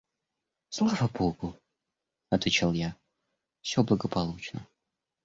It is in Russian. – Слава богу, – отвечал я, – все благополучно.